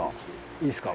いいですか？